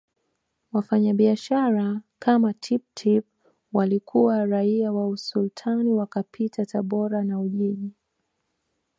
Wafanyabiashara kama Tippu Tip waliokuwa raia wa Usultani wakapita Tabora na Ujiji